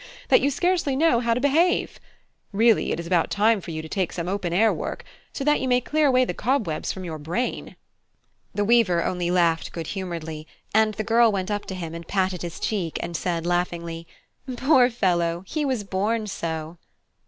that you scarcely know how to behave. Really, it is about time for you to take to some open air work, so that you may clear away the cobwebs from your brain." The weaver only laughed good humouredly; and the girl went up to him and patted his cheek and said laughingly, "Poor fellow! he was born so."